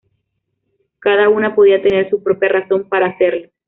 Cada una podía tener su propia razón para hacerlo.